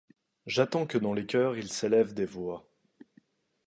J'attends que dans les coeurs il s'élève des voix